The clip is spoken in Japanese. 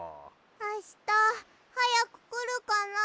あしたはやくくるかな？